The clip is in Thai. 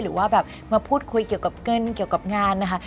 หรือว่าแบบมาพูดคุยเกี่ยวกับเงินเกี่ยวกับงานนะคะ